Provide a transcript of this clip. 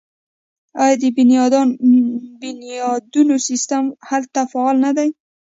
آیا د بنیادونو سیستم هلته فعال نه دی؟